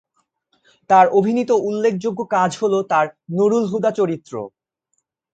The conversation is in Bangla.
তার অভিনীত উল্লেখযোগ্য কাজ হল তার "নূরুল হুদা" চরিত্র।